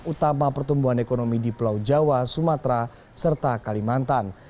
utama pertumbuhan ekonomi di pulau jawa sumatera serta kalimantan